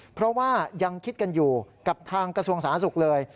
เพราะว่ายังคิดกันอยู่กับทางกระทรวงสาธารณสุขเลย